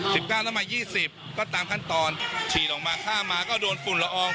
สิบเก้าแล้วมายี่สิบก็ตามขั้นตอนฉีดออกมาข้ามมาก็โดนฝุ่นละออง